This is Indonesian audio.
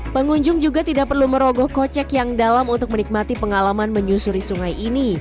pengunjung juga tidak perlu merogoh kocek yang dalam untuk menikmati pengalaman menyusuri sungai ini